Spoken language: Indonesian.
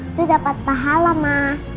itu dapat pahala ma